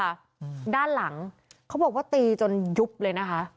อืมด้านหลังเขาบอกว่าตีจนยุบเลยนะคะ